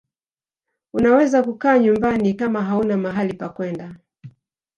unaweza kukaa nyumbani kama hauna mahali pakwenda